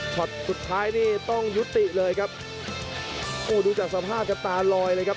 สุดท้ายนี่ต้องยุติเลยครับโอ้ดูจากสภาพครับตาลอยเลยครับ